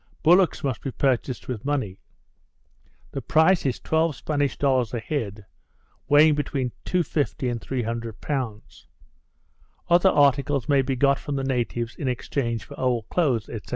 Bullocks must be purchased with money; the price is twelve Spanish dollars a head, weighing between 250 and 300 pounds. Other articles may be got from the natives in exchange for old clothes, &c.